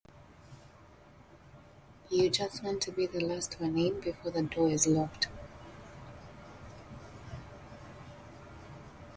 You just want to be the last one in before the door is locked.